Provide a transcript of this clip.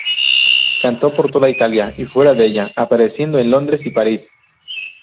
Cantó por toda Italia y fuera de ella, apareciendo en Londres y París.